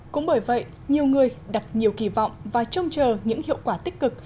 cũng bởi vậy nhiều người đặt nhiều kỳ vọng và trông chờ những hiệu quả tích cực